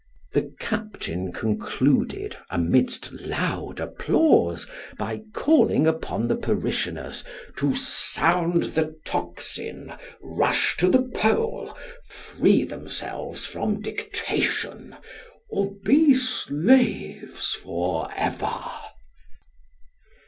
The captain concluded, amidst loud applause, by calling upon the parishioners to sound the tocsin, rush to the poll, free themselves from dictation, or be slaves for ever.